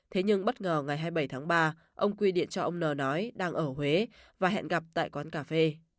thế nhưng bất ngờ ngày hai mươi bảy tháng ba ông quy điện cho ông n nói đang ở huế và hẹn gặp tại quán cà phê